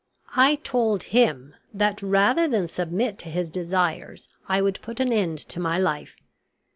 I told him that rather than submit to his desires I would put an end to my life.